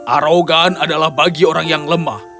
arogan adalah bagi orang yang lemah